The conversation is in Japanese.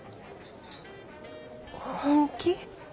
本気？